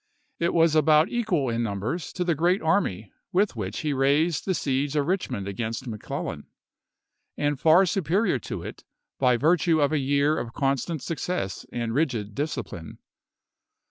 It was about equal in num bers to the great army with which he raised the siege of Eichmond against McClellan, and far su perior to it by virtue of a year of constant success and rigid discipline.